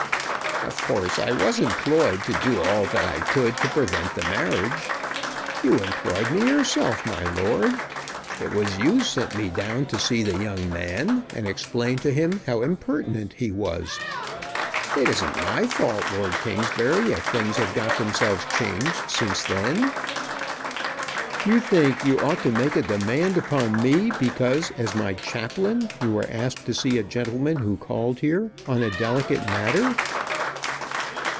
"Of course I was employed to do all that I could to prevent the marriage. You employed me yourself, my lord. It was you sent me down to see the young man, and explain to him how impertinent he was. It isn't my fault, Lord Kingsbury, if things have got themselves changed since then." "You think you ought to make a demand upon me because as my Chaplain you were asked to see a gentleman who called here on a delicate matter?"